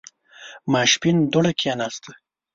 ماسپښين دوړه کېناسته.